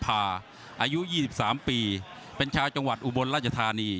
อายุ๒๓ปีเป็นชาวจังหวัดอุบลราชธานี